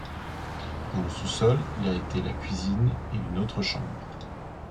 Dans le sous-sol, il a été la cuisine et une autre chambre.